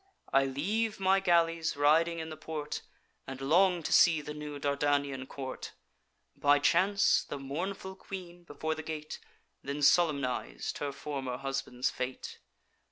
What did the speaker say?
I leave my galleys riding in the port, And long to see the new Dardanian court. By chance, the mournful queen, before the gate, Then solemniz'd her former husband's fate.